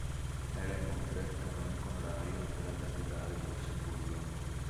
Era inoltre canonico onorario della cattedrale di Lussemburgo.